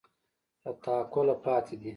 له تعقله پاتې دي